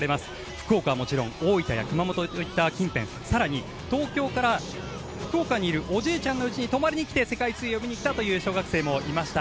福岡はもちろん大分や熊本といった近辺更に東京から福岡にいるおじいちゃんの家に泊まりに来て世界水泳を見に来たという小学生もいました。